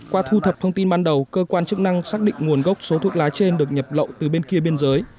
qua thu thập thông tin ban đầu cơ quan chức năng xác định nguồn gốc số thuốc lá trên được nhập lậu từ bên kia biên giới